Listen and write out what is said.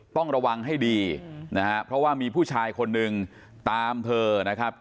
ต้องระวังให้ดีนะฮะเพราะว่ามีผู้ชายคนหนึ่งตามเธอนะครับ